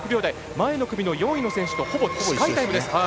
前の組の４位の選手に近いタイムです。